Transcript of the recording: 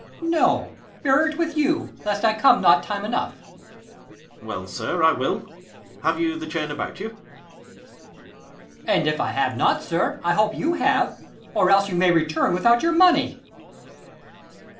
40 Ant. E. No; bear it with you, lest I come not time enough. Ang. Well, sir, I will. Have you the chain about you? Ant. E. An if I have not, sir, I hope you have; Or else you may return without your money.